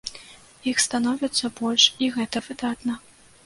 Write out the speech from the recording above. Іх становіцца больш, і гэта выдатна.